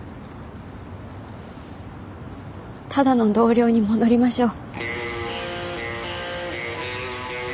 ただの同僚に戻りましょう。